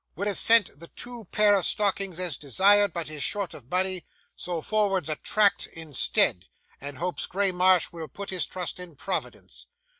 Would have sent the two pair of stockings as desired, but is short of money, so forwards a tract instead, and hopes Graymarsh will put his trust in Providence.